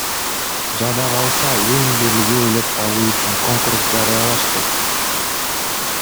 Жада калса эн белги ойлоп табуу үчүн конкурс жарыялашты.